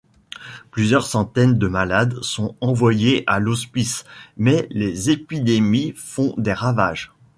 Plusieurs centaines de malades sont envoyés à l’hospice mais les épidémies font des ravages.